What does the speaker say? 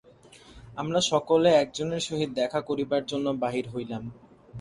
আমরা সকলে একজনের সহিত দেখা করিবার জন্য বাহির হইলাম।